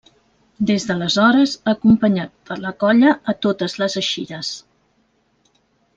Des d'aleshores ha acompanyat la colla a totes les eixides.